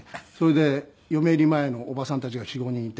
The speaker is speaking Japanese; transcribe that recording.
それで嫁入り前のおばさんたちが４５人いて。